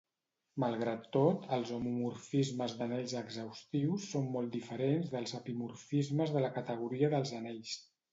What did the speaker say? Malgrat tot, els homomorfismes d'anells exhaustius són molt diferents dels epimorfismes de la categoria dels anells.